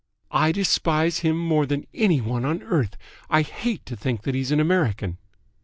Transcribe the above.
"I despise him more than any one on earth. I hate to think that he's an American."